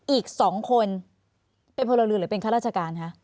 อีก๒คนเป็นพลเรือนหรือเป็นข้าราชการคะ